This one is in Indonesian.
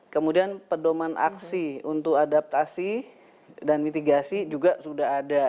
kemudian pedoman aksi untuk adaptasi dan mitigasi juga sudah ada